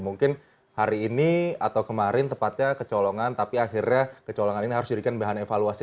mungkin hari ini atau kemarin tepatnya kecolongan tapi akhirnya kecolongan ini harus dijadikan bahan evaluasi